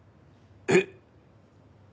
えっ！？